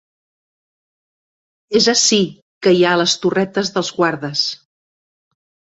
És ací que hi ha les Torretes dels Guardes.